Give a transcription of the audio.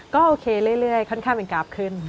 ก็โอเคเรื่อยค่อนข้างเป็นกราฟขึ้น